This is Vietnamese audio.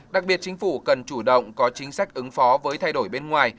đặc biệt chính phủ cần chủ động có chính sách ứng phó với thay đổi bên ngoài